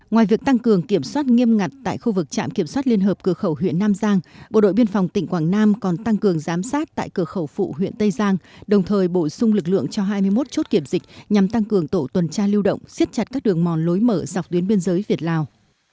ngoài việc tăng cường kiểm soát nghiêm ngặt tại khu vực trạm kiểm soát liên hợp cửa khẩu huyện nam giang bộ đội biên phòng tỉnh quảng nam còn tăng cường giám sát tại cửa khẩu phụ huyện tây giang đồng thời bổ sung lực lượng cho hai mươi một chốt kiểm dịch nhằm tăng cường tổ tuần tra lưu động xiết chặt các đường mòn lối mở dọc tuyến biên giới việt lào